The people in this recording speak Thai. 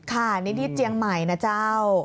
ค่ะนี่ที่เจียงใหม่นะเจ้า